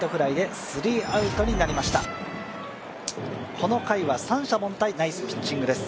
この回は三者凡退、ナイスピッチングです。